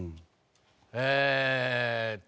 えーっと。